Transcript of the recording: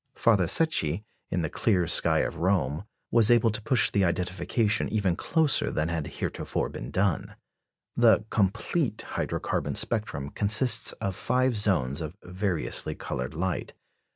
Father Secchi, in the clear sky of Rome, was able to push the identification even closer than had heretofore been done. The complete hydro carbon spectrum consists of five zones of variously coloured light.